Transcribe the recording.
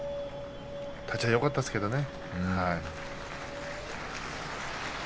立ち合いよかったですけどね。